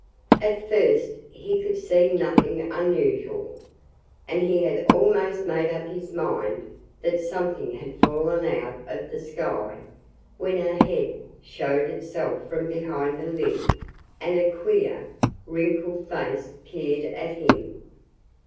At first he could see nothing unusual. And he had almost made up his mind that something had fallen out of the sky, when a head showed itself from behind a limb and a queer, wrinkled face peered at him.